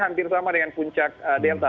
hampir sama dengan puncak delta